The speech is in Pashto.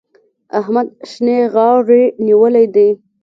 احمد شينې غاړې نيولی دی.